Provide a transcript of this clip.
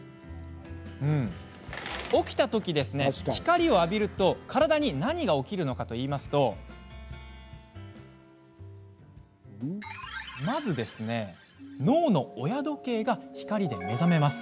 起きたとき、光を浴びると体に何が起きるのかというとまず脳の親時計が光で目覚めます。